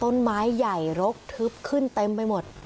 ต้นไม้ใหญ่รกทึบขึ้นเต็มไปหมด